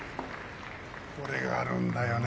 これがあるんだよね